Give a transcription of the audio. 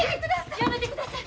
やめてください！